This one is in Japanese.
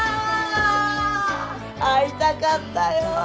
会いたかったよ